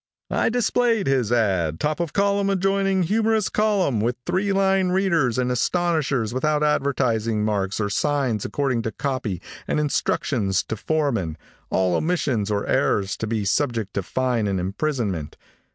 "I displayed his ad. top of column adjoining humorous column with three line readers and astonishers without advertising marks or signs according to copy and instructions to foreman, all omissions or errors to be subject to fine and imprisonment.